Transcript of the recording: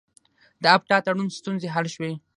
د اپټا تړون ستونزې حل شوې؟